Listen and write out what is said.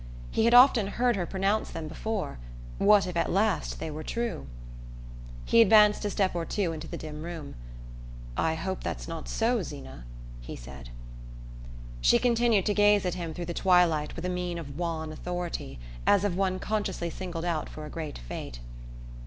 He had often heard her pronounce them before what if at last they were true? He advanced a step or two into the dim room. "I hope that's not so, Zeena," he said. She continued to gaze at him through the twilight with a mien of wan authority, as of one consciously singled out for a great fate.